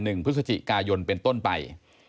พฤศจิกายนเป็นต้นไป